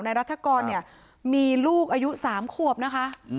ในรัฐกรณ์มีลูกอายุ๓ควบนะคะ